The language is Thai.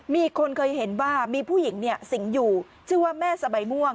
มีคนเคยเห็นว่ามีผู้หญิงเนี่ยสิงห์อยู่ชื่อว่าแม่สะใบม่วง